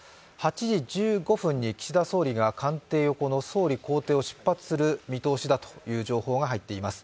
８時１５分に岸田総理が官邸横の総理公邸を出発する見通しだという情報が入っています。